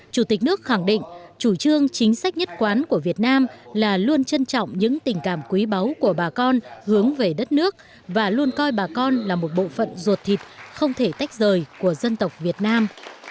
chủ tịch nước khẳng định chủ trương chính sách nhất quán của việt nam là luôn trân trọng những tình cảm quý báu của bà con hướng về đất nước và luôn coi bà con là một bộ phận ruột thịt không thể tách rời của dân tộc việt nam